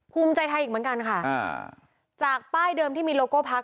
ภูมิใจไทยอีกเหมือนกันค่ะอ่าจากป้ายเดิมที่มีโลโก้พัก